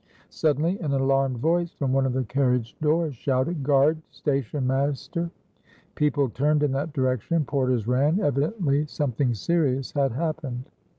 Suddenly an alarmed voice from one of the carriage doors shouted "Guard! Station master!" People turned in that direction; porters ran; evidently, something serious had happened.